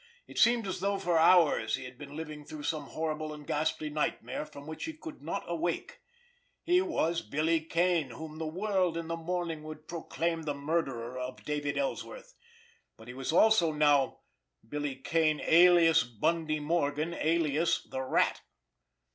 It seemed as though for hours he had been living through some horrible and ghastly nightmare from which he could not awake. He was Billy Kane, whom the world, in the morning, would proclaim the murderer of David Ellsworth; but he was also now Billy Kane, alias Bundy Morgan, alias the Rat!